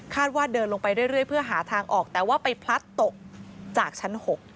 ว่าเดินลงไปเรื่อยเพื่อหาทางออกแต่ว่าไปพลัดตกจากชั้น๖